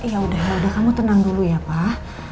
ya udah ya udah kamu tenang dulu ya pak